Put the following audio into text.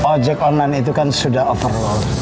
ojek online itu kan sudah overall